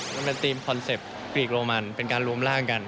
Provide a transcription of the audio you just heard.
มันเป็นธีมคอนเซ็ปต์ปีกโรมันเป็นการรวมร่างกัน